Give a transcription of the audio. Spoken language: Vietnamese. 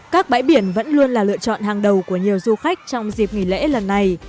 các bãi biển vẫn luôn là lựa chọn hàng đầu của nhiều du khách trong dịp nghỉ lễ lần này